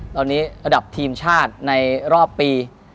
ตอนนี้ระดับทีมชาติในรอบปี